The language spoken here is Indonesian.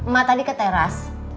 ma tadi ke teras